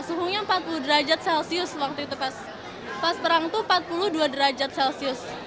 suhunya empat puluh derajat celcius waktu itu pas terang itu empat puluh dua derajat celcius